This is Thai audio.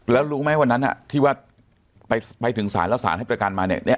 แล้วรู้ไหมวันนั้นที่ว่าไปถึงศาลแล้วสารให้ประกันมาเนี่ย